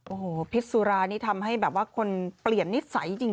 โอ้โหพิษสุรานี่ทำให้แบบว่าคนเปลี่ยนนิสัยจริง